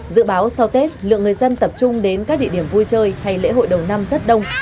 dự báo sau tết lượng người dân tập trung đến các địa điểm vui chơi hay lễ hội đầu năm rất đông